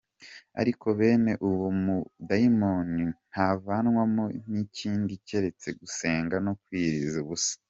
Ariko bene uwo mudayimoni ntavanwamo n’ikindi keretse gusenga no kwiyiriza ubusa.